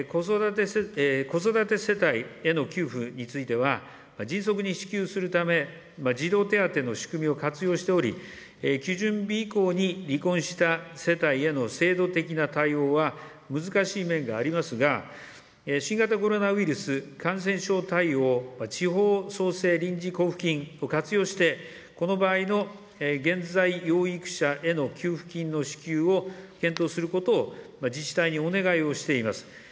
子育て世帯への給付については、迅速に支給するため、児童手当の仕組みを活用しており、基準日以降に離婚した世帯への制度的な対応は、難しい面がありますが、新型コロナウイルス感染症対応地方創生臨時交付金を活用して、この場合の現在養育者への給付金の支給を検討することを自治体にお願いをしています。